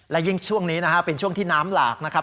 และยิ่งช่วงนี้นะฮะเป็นช่วงที่น้ำหลากนะครับ